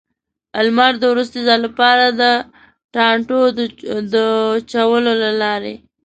لمر د وروستي ځل لپاره، د ټانټو د چولو له لارې.